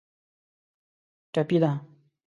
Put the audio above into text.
ټپي ده.